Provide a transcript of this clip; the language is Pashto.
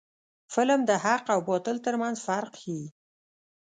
فلم د حق او باطل ترمنځ فرق ښيي